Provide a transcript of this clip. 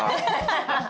ハハハハ！